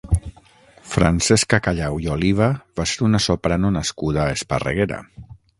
Francesca Callao i Oliva va ser una soprano nascuda a Esparreguera.